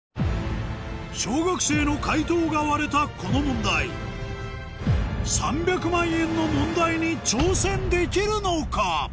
小学生の解答が割れたこの問題３００万円の問題に挑戦できるのか？